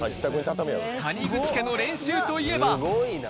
谷口家の練習といえば。